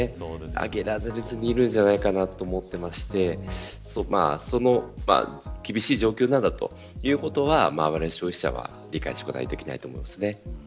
上げられずにいるんじゃないかなと思っていまして厳しい状況なんだ、ということはわれわれ消費者は理解しておかないといけないと思います。